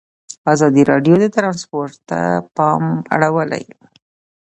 ازادي راډیو د ترانسپورټ ته پام اړولی.